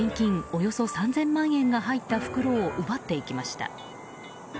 およそ３０００万円が入った袋を奪っていきました。